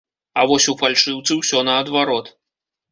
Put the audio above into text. А вось у фальшыўцы ўсё наадварот.